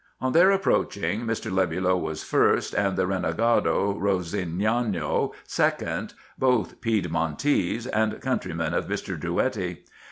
On their approaching, Mr. Lebulo was first, and the renegado Rossignano second, both Piedmontese, and country men of Mr. Drouetti.